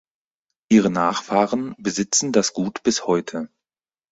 Ihre Nachfahren besitzen das Gut bis heute.